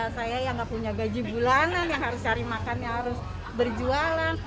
saya yang nggak punya gaji bulanan yang harus cari makan yang harus berjualan